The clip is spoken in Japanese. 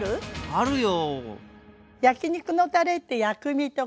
あるよ。